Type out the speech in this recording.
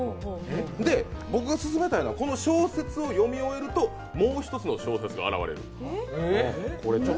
で、僕が薦めたいのはこの小説を読み終えるともう一つの小説が現れる。